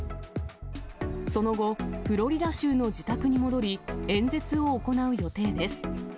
その後、フロリダ州の自宅に戻り、演説を行う予定です。